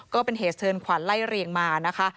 ก็เป็นเหตุเทินขวัญไล่เรียงมานะคะ